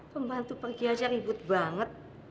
pembantu pergi aja ribut banget